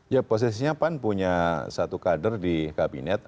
ya posisinya pan punya satu kader di kabinet